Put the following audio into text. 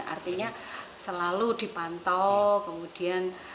artinya selalu dipantau kemudian